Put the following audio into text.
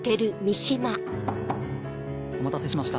お待たせしました。